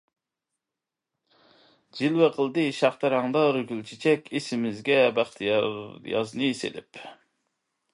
جىلۋە قىلدى شاختا رەڭدار گۈل-چېچەك، ئېسىمىزگە بەختىيار يازنى سېلىپ.